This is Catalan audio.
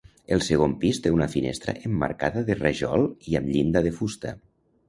El segon pis té una finestra emmarcada de rajol i amb llinda de fusta.